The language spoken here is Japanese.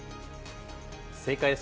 正解です